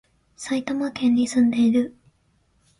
埼玉県に住んでいる